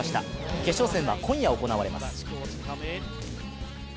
決勝戦は今夜行われます。